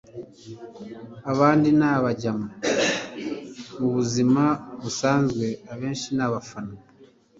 abandi n'abajama m'ubuzima busanzwe, abenshi n'abafana